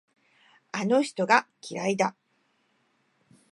あの人が嫌いだ。